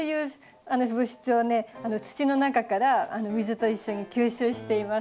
土の中から水と一緒に吸収しています。